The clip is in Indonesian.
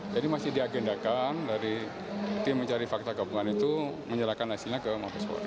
jadi masih diagendakan dari tim mencari fakta gabungan itu menyerahkan hasilnya ke mabes polri